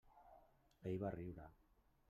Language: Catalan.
Ell va riure.